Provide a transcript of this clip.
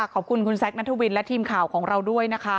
ขอบคุณคุณแซคนัทวินและทีมข่าวของเราด้วยนะคะ